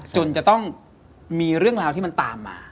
จนจะต้องมีเรื่องราวที่มันตามมา